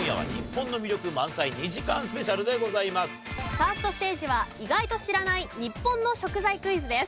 ファーストステージは意外と知らない日本の食材クイズです。